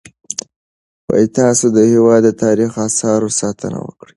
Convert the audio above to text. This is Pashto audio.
تاسو د هیواد د تاریخي اثارو ساتنه وکړئ.